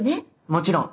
もちろん。